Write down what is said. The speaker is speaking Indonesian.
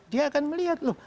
dia akan melihat loh